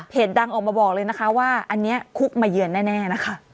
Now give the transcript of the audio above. เพจดังออกมาบอกเลยว่าอันนี้คุกมาเยือนแน่ค่ะ